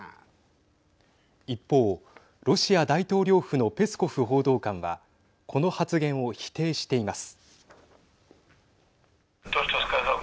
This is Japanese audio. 一方、ロシア大統領府のペスコフ報道官はこの発言を否定しています。